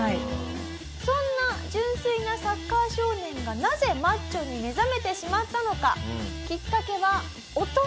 そんな純粋なサッカー少年がなぜマッチョに目覚めてしまったのか？